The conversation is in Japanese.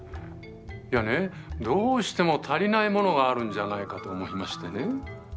いやねどうしても足りないものがあるんじゃないかと思いましてね。